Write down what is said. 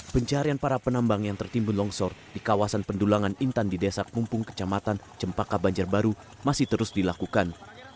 pencarian para penambang yang tertimbun longsor di kawasan pendulangan intan di desa pumpung kecamatan cempaka banjarbaru masih terus dilakukan